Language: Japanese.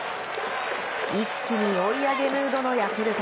一気に追い上げムードのヤクルト。